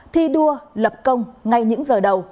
thi đua lập công ngay những giờ đầu